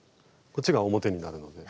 こっちが表になるので。